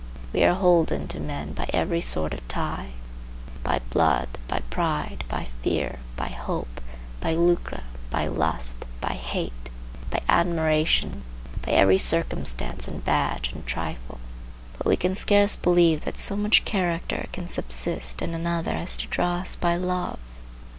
We are holden to men by every sort of tie, by blood, by pride, by fear, by hope, by lucre, by lust, by hate, by admiration, by every circumstance and badge and trifle,—but we can scarce believe that so much character can subsist in another as to draw us by love.